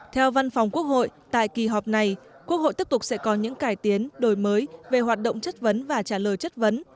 theo văn phòng quốc hội tại kỳ họp này quốc hội tiếp tục sẽ có những cải tiến đổi mới về hoạt động chất vấn và trả lời chất vấn